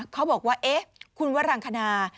เขาบอกว่าเอ๊ะคุณวรังคณา